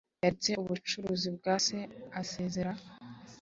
Yaretse ubucuruzi bwa se azerera,